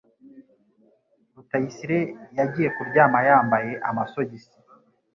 Rutayisire yagiye kuryama yambaye amasogisi.